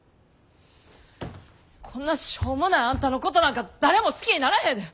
こんなしょうもないあんたのことなんか誰も好きにならへんで！